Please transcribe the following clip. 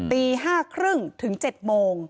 ตี๕๓๐ถึง๗โมง